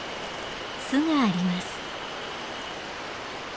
巣があります。